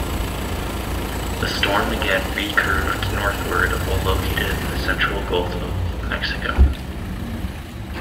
The storm again re-curved northward while located in the central Gulf of Mexico.